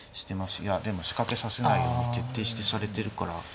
いやでも仕掛けさせないように徹底してされてるから。